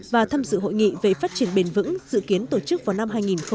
và tham dự hội nghị về phát triển bền vững dự kiến tổ chức vào năm hai nghìn hai mươi